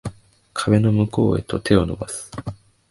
壁の向こうへと手を伸ばす